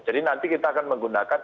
jadi nanti kita akan menggunakan